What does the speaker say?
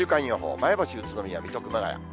前橋、宇都宮、水戸、熊谷。